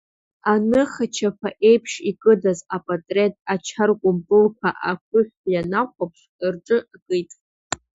Аныхачаԥа еиԥш икыдыз апатреҭ ачаркәымпылқәа ақәыҳәҳә ианнахәаԥш, рҿы акит.